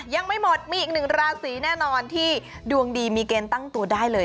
ยังไม่หมดมีอีกหนึ่งราศีแน่นอนที่ดวงดีมีเกณฑ์ตั้งตัวได้เลย